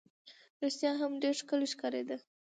رښتیا هم ډېره ښکلې ښکارېده.